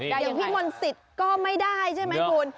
แต่อันนี้พี่มนติตก็ไม่ได้ใช่ไหมคุณ